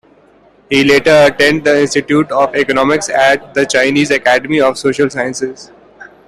He later attended the Institute of Economics at the Chinese Academy of Social Sciences.